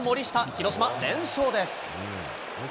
広島、連勝です。